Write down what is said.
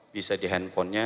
bisa di handphonenya